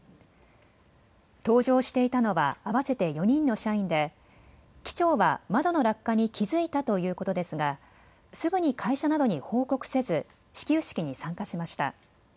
搭乗していたのは合わせて４人の社員で機長は窓の落下に気付いたということですが、すぐに会社などに報告せず始球式に参加しました。